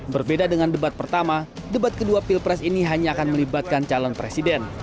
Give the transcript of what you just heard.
berbeda dengan debat pertama debat kedua pilpres ini hanya akan melibatkan calon presiden